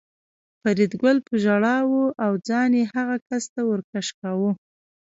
فریدګل په ژړا و او ځان یې هغه کس ته ور کش کاوه